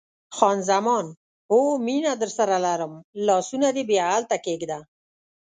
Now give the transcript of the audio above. خان زمان: اوه، مینه درسره لرم، لاسونه دې بیا هلته کښېږده.